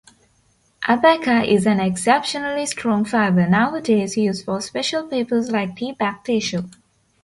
Abaca is an exceptionally strong fibre, nowadays used for special papers like teabag tissue.